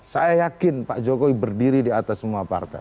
saya yakin pak jokowi berdiri di atas semua partai